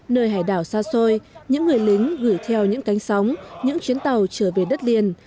nơi hải đảo xa xôi những người lính gửi theo những cánh sóng những chuyến tàu trở về đất liền